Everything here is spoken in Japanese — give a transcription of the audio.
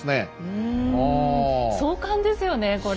うん壮観ですよねこれ。